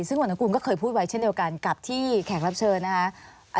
ซึ่งวันอนุกูลก็เคยพูดไว้เช่นเดียวกันกับที่แขกรับเชิญนะคะ